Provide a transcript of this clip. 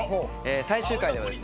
最終回ではですね